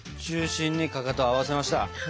中心にかかとを合わせました。